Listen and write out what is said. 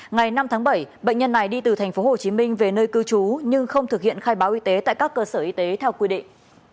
ngày năm tháng bảy bệnh nhân này đi từ thành phố hồ chí minh về nơi cư trú nhưng không thực hiện khai báo y tế tại các cơ sở y tế theo quy định